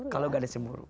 kalau tidak ada cemburu